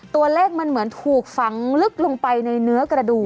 ตัวเลขมันเหมือนถูกฝังลึกลงไปในเนื้อกระดูก